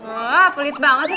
ah pelit banget sih ini